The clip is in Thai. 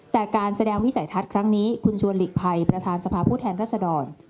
แต่การแสดงวิสัยทัศน์ครั้งนี้คุณชวนหลีกภัยประธานสภาพผู้แทนรัศดร